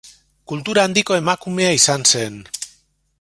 Kultura handiko emakumea izan zen.